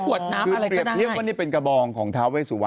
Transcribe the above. กวดน้ำอะไรก็ได้คือเปรียบเทียบว่านี่เป็นกระบองของเท้าเวสุวัน